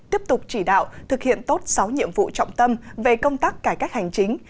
tiếp tục chỉ đạo thực hiện tốt sáu nhiệm vụ trọng tâm về công tác cải cách hành chính